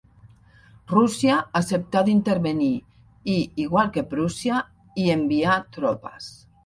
Rússia acceptà d'intervenir i, igual que Prússia, hi envià tropes.